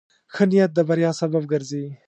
ښه نیت د بریا سبب ګرځي.